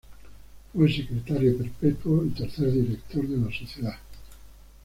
Fue secretario perpetuo y tercer director de la sociedad.